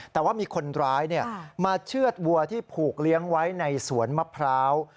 แต่ว่ามีคนร้ายมาเชื่อดวัวที่ผูกเลี้ยงไว้ในสวนมะพร้าว